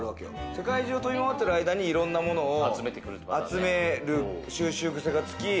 世界中を飛び回ってる間にいろんなものを集める収集癖がつき。